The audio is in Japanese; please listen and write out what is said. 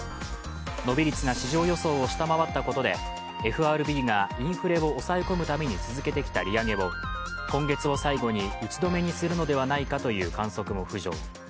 伸び率が市場予想を下回ったことでＦＲＢがインフレを抑え込むために続けてきた利上げを今月を最後に打ち止めにするのではないかという観測も浮上。